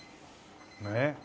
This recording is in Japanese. ねっ。